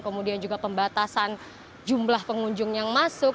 kemudian juga pembatasan jumlah pengunjung yang masuk